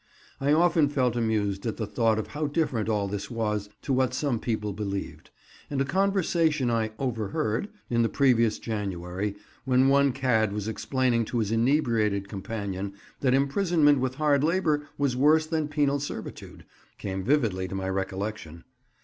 I often felt amused at the thought of how different all this was to what some people believed; and a conversation I "overheard" in the previous January, when one cad was explaining to his inebriated companion that imprisonment with hard labour was worse than penal servitude, came vividly to my recollection.